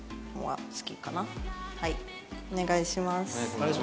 はいお願いします。